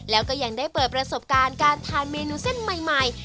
แล้วก็ยังได้เปิดประสบการณ์การทานเมนูเส้นใหม่